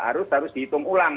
harus dihitung ulang